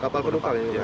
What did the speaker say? kapal penumpang ya